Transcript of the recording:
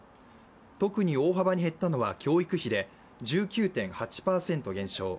特に大幅に減ったのは教育費で１９．８％減少。